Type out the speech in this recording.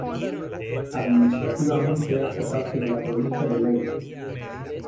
Administrativamente hace parte de la Provincia de Leyte.